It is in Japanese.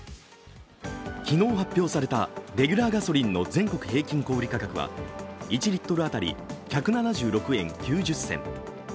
昨日発表されたレギュラーガソリンの全国平均小売価格は１リットル当たり１７６円９０銭。